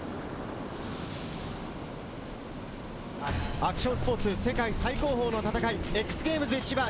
アクションスポーツ世界最高峰の戦い、ＸＧａｍｅｓＣｈｉｂａ